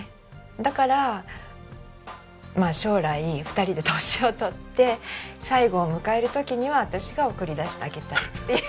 だから将来２人で年を取って最期を迎える時には私が送り出してあげたいっていう。